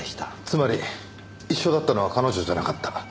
つまり一緒だったのは彼女じゃなかった。